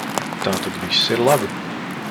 Tātad viss ir labi.